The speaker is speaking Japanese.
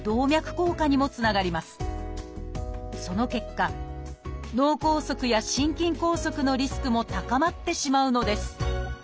その結果脳梗塞や心筋梗塞のリスクも高まってしまうのです「